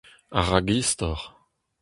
Ar Ragistor.